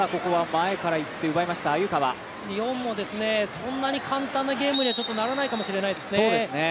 日本もそんな簡単なゲームにはならないかもしれないですね。